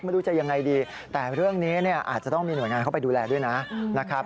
ไม่รู้จะยังไงดีแต่เรื่องนี้เนี่ยอาจจะต้องมีหน่วยงานเข้าไปดูแลด้วยนะครับ